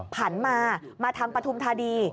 ผันมามาทางปฐุมธานี